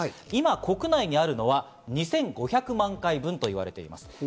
今、国内にあるのは２５００万回分と言われています。